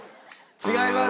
違います。